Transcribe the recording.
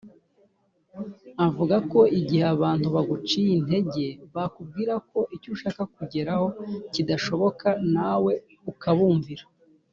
Avuga ko igihe abantu baguciye intege bakubwira ko icyo ushaka kugeraho kidashoboka nawe ukabumvira